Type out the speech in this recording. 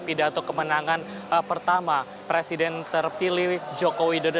pidato kemenangan pertama presiden terpilih jokowi dodo